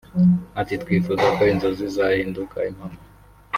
Ati”twifuza ko inzozi zahinduka impamo